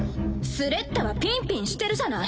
スレッタはピンピンしてるじゃない。